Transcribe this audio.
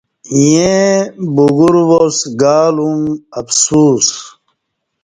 ییں بگور واس گالوم افسوس